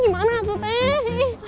gimana tuh teh